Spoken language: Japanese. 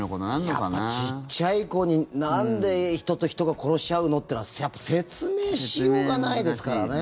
やっぱり小さい子になんで人と人が殺し合うのっていうのは説明しようがないですからね。